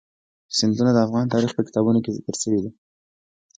سیندونه د افغان تاریخ په کتابونو کې ذکر شوی دي.